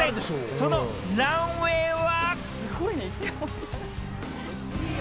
そのランウェイは。